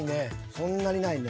そんなにないね。